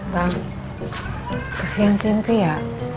bang kesian simpi ya